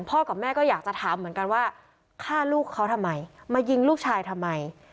กับแม่ก็อยากจะถามเหมือนกันว่าฆ่าลูกเขาทำไมมายิงลูกชายทำไม